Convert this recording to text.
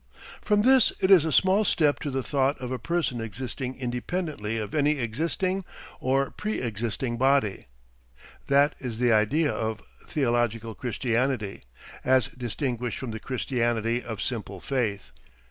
From this it is a small step to the thought of a person existing independently of any existing or pre existing body. That is the idea of theological Christianity, as distinguished from the Christianity of simple faith.